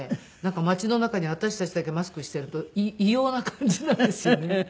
街の中に私たちだけマスクしていると異様な感じなんですよね。